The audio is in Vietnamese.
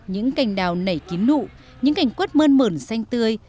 những cành đào nảy kín nụ những cành quất mơn mửn xanh tươi